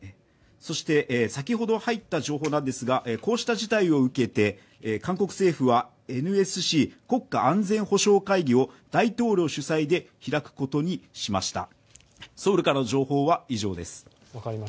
そして先ほど入った情報なんですがこうした事態を受けて、韓国政府はＮＳＣ＝国家安全保障会議を大統領主催で開くことにしました。